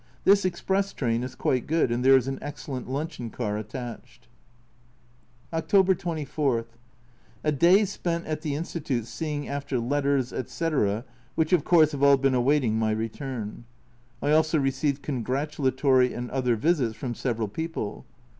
This express train is quite good, and there is an excellent luncheon car attached. October 24. A day spent at the Institute seeing after letters, etc., which of course have all been await ing my return. I also received congratulatory and other visits from several people.